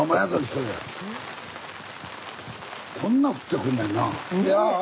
こんな降ってくんねんなあ。